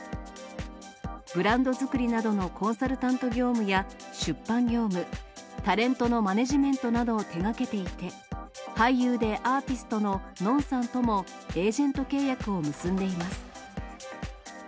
ブランド作りなどのコンサルタント業務や出版業務、タレントのマネジメントなどを手がけていて、俳優でアーティストののんさんともエージェント契約を結んでいます。